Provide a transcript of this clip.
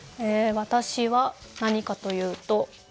私は何かというと。